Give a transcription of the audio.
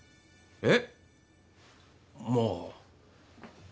えっまぁ。